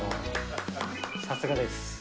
さすがです。